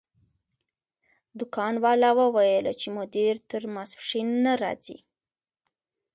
دکان والا وویل چې مدیر تر ماسپښین نه راځي.